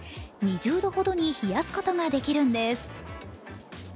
２０度ほどに冷やすことができるんです。